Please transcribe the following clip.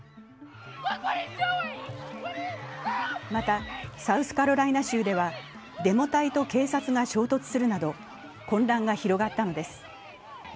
また、サウスカロライナ州では、デモ隊と警察が衝突するなど混乱が広がったのです。